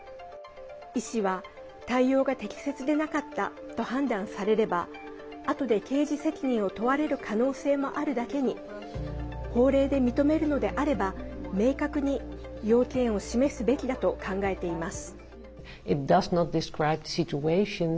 医師は、対応が適切でなかったと判断されればあとで、刑事責任を問われる可能性もあるだけに法令で認めるのであれば明確に要件を示すべきだと考えています。